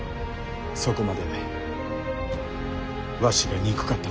そこまでわしが憎かったのか？